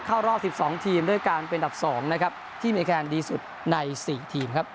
เข้ารอบสิบสองทีมด้วยการเป็นดับสองนะครับที่มีการดีสุดในสี่ทีมครับ